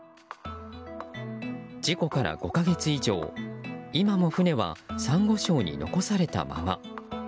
事故から５か月以上、今も船はサンゴ礁に残されたまま。